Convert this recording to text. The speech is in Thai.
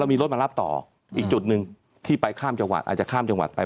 มีรถมารับต่ออีกจุดหนึ่งที่ไปข้ามจังหวัดอาจจะข้ามจังหวัดไป